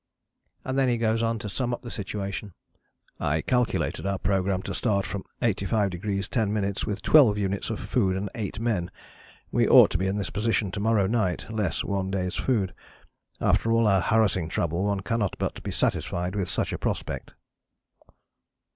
And then he goes on to sum up the situation, "I calculated our programme to start from 85° 10´ with 12 units of food and eight men. We ought to be in this position to morrow night, less one day's food. After all our harassing trouble one cannot but be satisfied with such a prospect."